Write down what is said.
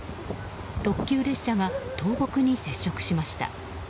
特急列車が倒木に接触しました。